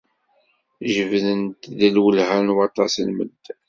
Jebdent-d lwelha n waṭas n medden.